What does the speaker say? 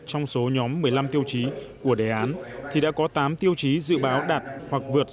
trong số nhóm một mươi năm tiêu chí của đề án thì đã có tám tiêu chí dự báo đạt hoặc vượt